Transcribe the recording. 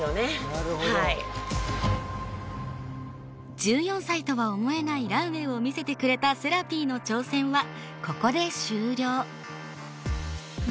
１４歳とは思えないランウェイを見せてくれたせらぴーの挑戦はここで終了。